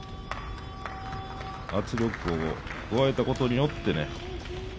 圧力を加えたことによってね